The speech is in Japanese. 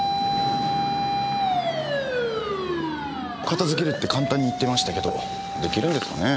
片付けるって簡単に言ってましたけどできるんですかね？